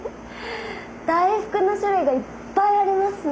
大福の種類がいっぱいありますね。